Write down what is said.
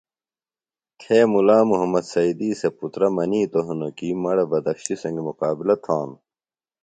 تھےۡ مُلا محمد سیدی سےۡ پُترہ منِیتوۡ ہِنوۡ کیۡ مہ ڑے بدخشیۡ سنگیۡ مقابلہ تھانوۡ